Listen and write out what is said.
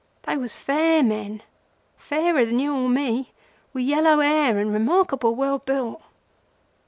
They was fair men—fairer than you or me—with yellow hair and remarkable well built.